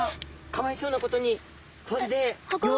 かわいそうなことにこれで。